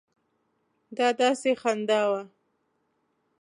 دا داسې خندا وه.